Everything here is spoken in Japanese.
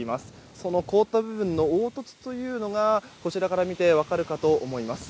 その凍った部分の凹凸というのがこちらから見て分かるかと思います。